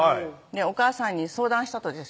おかあさんに相談したとです